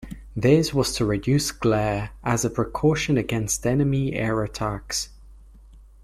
This was to reduce glare, as a precaution against enemy air attacks.